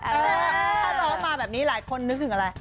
เออถ้าเรามาแบบนี้หลายคนนึกถึงอะไร